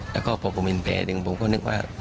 แล้วก็พอผมเห็นแผลหนึ่งผมก็นึกว่า